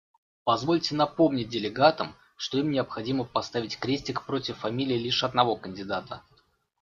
Позвольте напомнить делегатам, что им необходимо поставить крестик против фамилии лишь одного кандидата.